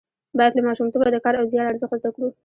باید له ماشومتوبه د کار او زیار ارزښت زده کړو.